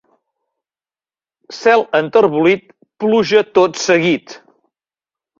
Cel enterbolit, pluja tot seguit.